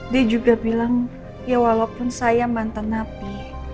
dia juga bilang ya walaupun saya mantan napi